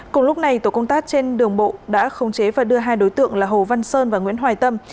cùng lúc này tổ công tác trên đường bộ đã khống chế và đưa hai đối tượng là hồ văn sơn và nguyễn hoài tâm